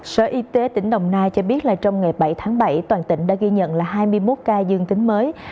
sở y tế tỉnh đồng nai cho biết là trong ngày bảy tháng bảy toàn tỉnh đã ghi nhận là hai mươi một ca dương tính mới